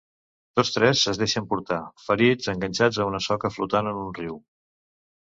Tots tres es deixen portar, ferits, enganxats a una soca flotant en el riu.